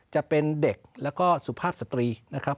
จะเป็นเด็กแล้วก็สุภาพสตรีนะครับ